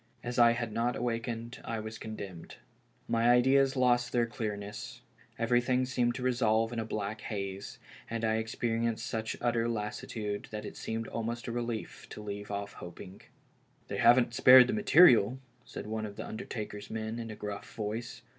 As I had not awakened I was condemned. My ideas lost their clearness, everything seemed to revolve in a black haze, and I experienced such utter lassitude that it seemed almost a relief to leave off hoping. " They haven't spared the material," said one of the undertaker's men, in a gruff voice.